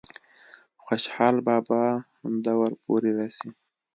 خوشحال بابا دور پورې رسي ۔